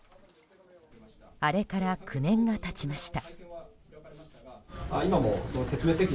あれから９年が経ちました。